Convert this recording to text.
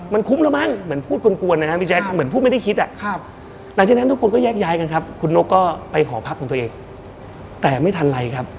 พอคุยเรื่องอื่นไปซักพัก